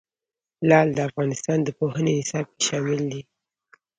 لعل د افغانستان د پوهنې نصاب کې شامل دي.